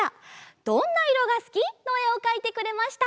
「どんな色がすき」のえをかいてくれました。